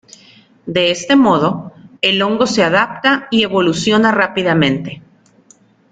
De este modo, el hongo se adapta y evoluciona rápidamente.